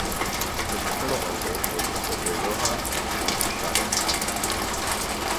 His maternal uncle was the sculptor Johann Gottfried Schadow.